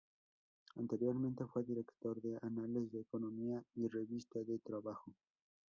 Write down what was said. Anteriormente fue director de "Anales de Economía" y "Revista de Trabajo".